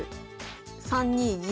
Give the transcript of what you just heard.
３二銀。